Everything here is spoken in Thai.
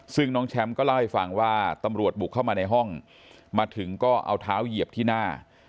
ซึ่งน้องแชมป์ก็เล่าให้ฟังว่าตำรวจบุกเข้ามาในห้องมาถึงก็เอาเท้าเหยียบที่หน้า